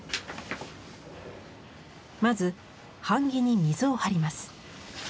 まず版木に水をはります。